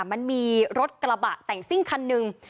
มันมีรถกระบะแต่งซิ่งคันหนึ่ง